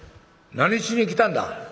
何しに来たんだ？」。